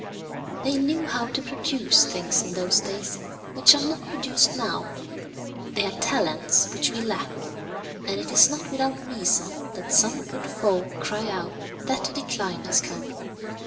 They knew how to produce things in those days which are not produced now; they had talents which we lack, and it is not without reason that some good folk cry out that the decline has come.